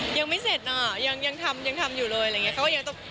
ยังไม่เสร็จน่ะยังทำยังทำอยู่เลยอะไรอย่างนี้